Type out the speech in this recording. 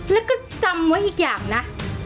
แล้วก็จำไว้อีกอย่างนะ